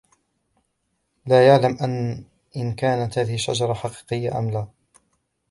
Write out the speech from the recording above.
لا يعلم إن كانت هذه الشجرة حقيقية أم لا.